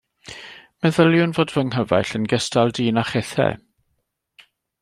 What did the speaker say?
Meddyliwn fod fy nghyfaill yn gystal dyn â chithau.